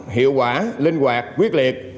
hiệu quả linh hoạt quyết liệt